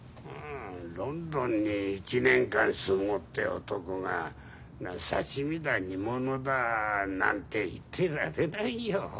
ロンドンに１年間住もうって男が刺身だ煮物だなんて言ってられないよ。